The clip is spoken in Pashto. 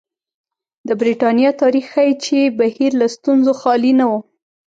د برېټانیا تاریخ ښيي چې بهیر له ستونزو خالي نه و.